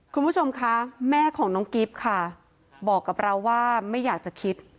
คุณผู้ชมคะแม่ของน้องกิฟต์ค่ะบอกกับเราว่าไม่อยากจะคิด